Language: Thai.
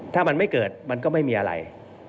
ถ้ามันไม่เกิดมันก็ไม่มีอะไร